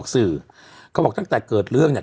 ซึ่งก็วันนี้ก็ถือว่า